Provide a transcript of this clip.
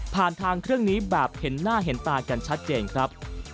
ทางเครื่องนี้แบบเห็นหน้าเห็นตากันชัดเจนครับ